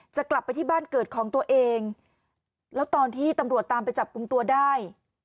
จะไปที่บ้านเกิดของตัวเองแล้วตอนที่ตำรวจตามไปจับกลุ่มตัวได้